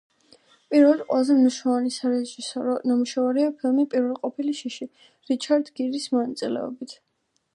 პირველი ყველაზე მნიშვნელოვანი სარეჟისორო ნამუშევარია ფილმი „პირველყოფილი შიში“ რიჩარდ გირის მონაწილეობით.